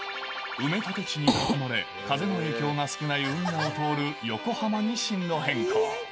埋め立て地に囲まれ、風の影響が少ない運河を通る横浜に進路変更。